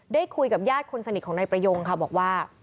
คุยกับญาติคนสนิทของนายประยงค่ะบอกว่า